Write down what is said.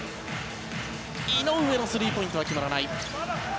井上のスリーポイントは決まらない。